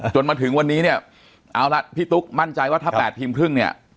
จนถึงวันนี้เนี่ยเอาละพี่ตุ๊กมั่นใจว่าถ้า๘ทีมครึ่งเนี่ย